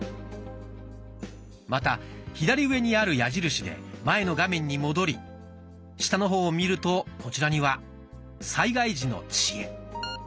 また左上にある矢印で前の画面に戻り下の方を見るとこちらには「災害時の知恵」。